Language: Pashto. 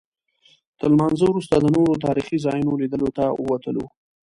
تر لمانځه وروسته د نورو تاریخي ځایونو لیدلو ته ووتلو.